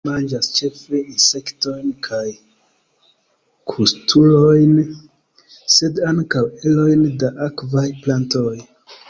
Ili manĝas ĉefe insektojn kaj krustulojn, sed ankaŭ erojn da akvaj plantoj.